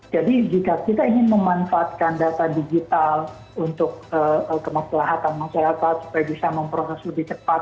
jadi jika kita ingin memanfaatkan data digital untuk kemampuatan masyarakat supaya bisa memproses lebih cepat